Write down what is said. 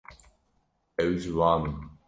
Ew ciwan in.